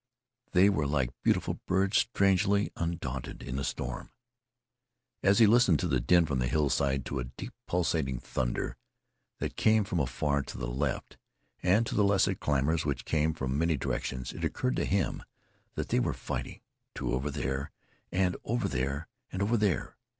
They were like beautiful birds strangely undaunted in a storm. As he listened to the din from the hillside, to a deep pulsating thunder that came from afar to the left, and to the lesser clamors which came from many directions, it occurred to him that they were fighting, too, over there, and over there, and over there.